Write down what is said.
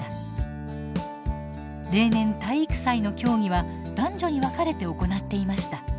例年体育祭の競技は男女に分かれて行っていました。